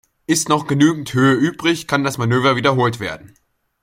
Ist noch genügend Höhe übrig, kann das Manöver wiederholt werden.